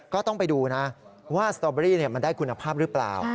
ก็ต้องไปดูนะว่าสตอเบอรี่มันได้คุณภาพหรือเปล่า